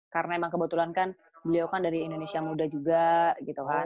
karena emang kebetulan kan beliau kan dari indonesia muda juga gitu kan